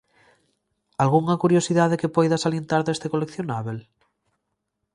Algunha curiosidade que poida salientar deste coleccionábel?